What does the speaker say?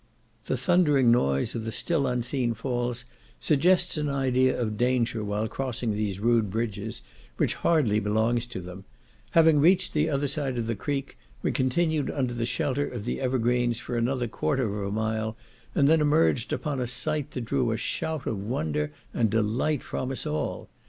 The thundering noise of the still unseen falls suggests an idea of danger while crossing these rude bridges, which hardly belongs to them; having reached the other side of the creek, we continued under the shelter of the evergreens for another quarter of a mile, and then emerged upon a sight that drew a shout of wonder and delight from us all.